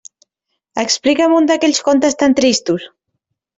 Explica'm un d'aquells contes tan tristos!